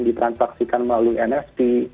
dilaksanakan melalui nfp